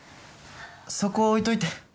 そこ置いといて。